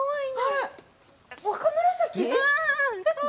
若紫？